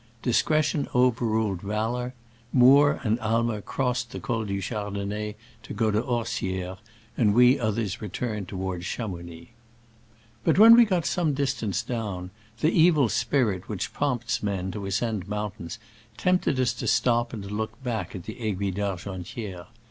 Discretion overruled valor. Moore and Aimer crossed the Col du Chardon net to go to Orsieres, and we others re turned toward Chamounix. But when we got some distance down, the evil spirit which prompts men to as cend mountains tempted us to stop and to look back at the Aiguille d'Argentiere.